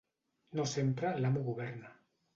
No sempre l'amo governa.